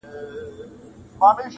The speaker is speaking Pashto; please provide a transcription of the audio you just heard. چې کله راته مور کوي دعا پروردګاره